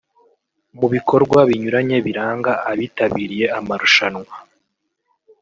Mu bikorwa binyuranye biranga abitabiriye amarushanwa